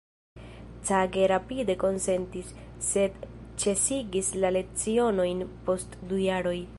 Cage rapide konsentis, sed ĉesigis la lecionojn post du jaroj.